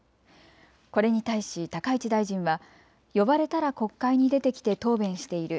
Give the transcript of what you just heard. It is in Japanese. これに対し高市大臣は呼ばれたら国会に出てきて答弁している。